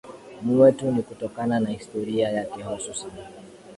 mwetu Ni kutokana na historia yake hususan